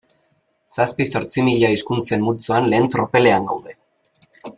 Zazpi-zortzi mila hizkuntzen multzoan lehen tropelean gaude.